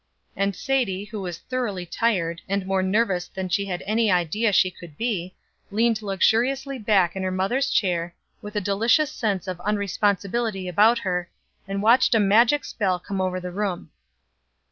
And Sadie, who was thoroughly tired, and more nervous than she had any idea she could be, leaned luxuriously back in her mother's chair, with a delicious sense of unresponsibility about her, and watched a magic spell come over the room.